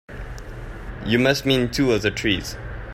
You must mean two other trees.